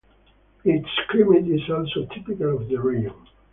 Its climate is also typical of the region.